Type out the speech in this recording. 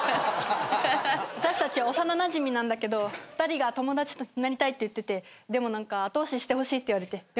私たち幼なじみなんだけど２人が友達になりたいって言っててでも何か後押ししてほしいって言われて。